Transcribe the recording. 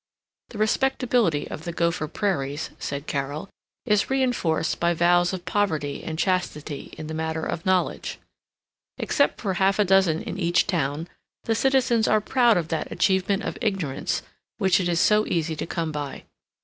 The respectability of the Gopher Prairies, said Carol, is reinforced by vows of poverty and chastity in the matter of knowledge. Except for half a dozen in each town the citizens are proud of that achievement of ignorance which it is so easy to come by.